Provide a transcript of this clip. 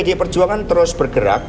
jadi pd perjuangan terus bergerak